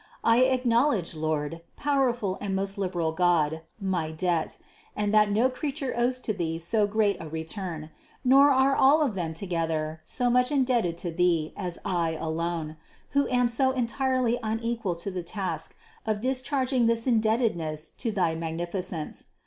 I acknowledge, Lord, powerful and most liberal God, my debt, and that no creature owes to Thee so great a return, nor are all of them together so much indebted to Thee as I alone, who am so entirely unequal to the task of discharging this indebtedness to thy magnificence.